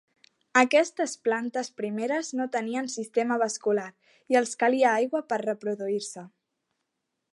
Aquestes plantes primeres no tenien sistema vascular i els calia aigua per reproduir-se.